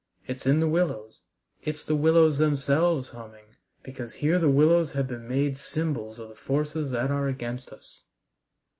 It's in the willows. It's the willows themselves humming, because here the willows have been made symbols of the forces that are against us."